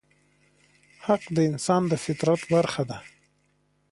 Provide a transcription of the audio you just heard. حق د انسان د فطرت برخه ده.